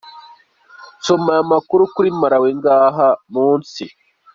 Soma ayandi makuru kuri Malawi ngaha munsi:.